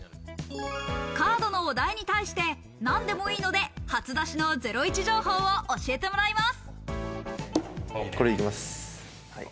カードのお題に対し、何でもいいので初出しのゼロイチ情報を教えてもらいます。